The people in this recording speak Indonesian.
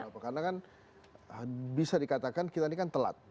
karena kan bisa dikatakan kita ini kan telat